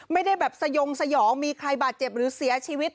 ไม่ได้แบบสยงสยองมีใครบาดเจ็บหรือเสียชีวิต